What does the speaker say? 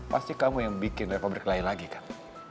pasti kamu yang bikin reva berkelahi lagi kan